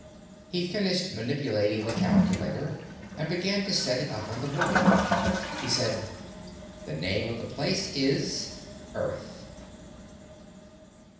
He finished manipulating the calculator and began to set it up on the board. He said, "The name of the place is—Earth."